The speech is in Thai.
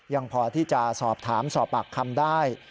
ยังพอที่จะสอบถามสอบปากคำได้